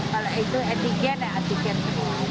kalau itu etiken ya etiken